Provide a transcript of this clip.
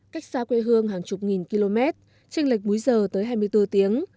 cách xa quê hương hàng chục nghìn km tranh lệch múi giờ tới hai mươi bốn tiếng